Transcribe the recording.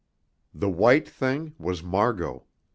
The white thing was Margot.